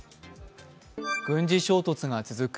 軍事衝突が続く